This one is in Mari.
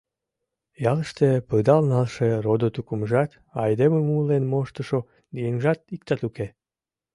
Ялыште пыдал налше родо-тукымжат, айдемым умылен моштышо еҥжат иктат уке...